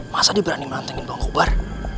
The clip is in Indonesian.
masa dia berani melantangin bang kobar